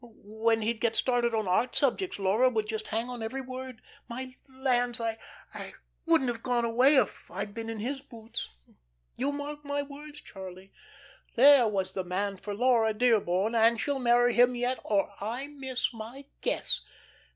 When he'd get started on art subjects Laura would just hang on every word. My lands, I wouldn't have gone away if I'd been in his boots. You mark my words, Charlie, there was the man for Laura Dearborn, and she'll marry him yet, or I'll miss my guess."